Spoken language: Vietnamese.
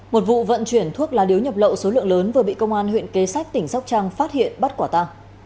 một vụ vận chuyển thuốc lá điếu nhập lậu số lượng lớn vừa bị công an huyện kế sách tỉnh sóc trăng phát hiện bắt quả ta